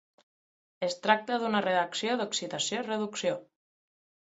Es tracta d'una reacció d'oxidació-reducció.